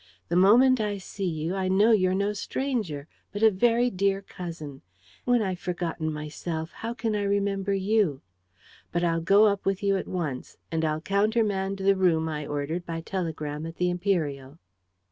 The moment I see you, I know you're no stranger, but a very dear cousin. When I've forgotten MYSELF, how can I remember YOU? But I'll go up with you at once. And I'll countermand the room I ordered by telegram at the Imperial."